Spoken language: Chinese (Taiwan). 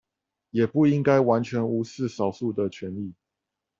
也不應該完全無視少數的權益